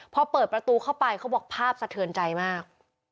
พอเปิดประตูเข้าไปเขาบอกภาพสะเทือนใจมาก